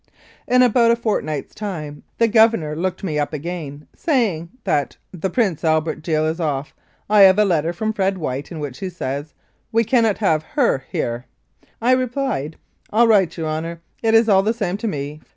In abottf a fort night's time the Governor looked me up again, saying "That Prince Albert deal is off. I have had a letter from Fred White in which he says, ' We cannot have her here.' " I replied, "All right, your Honour, it is all the same to me.